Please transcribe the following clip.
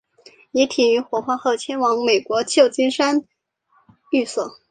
遗体于火化后迁往美国旧金山寓所。